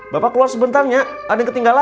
bapak keluar sebentangnya ada yang ketinggalan